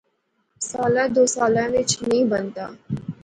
سالا دو سالیں وچ نی بنتا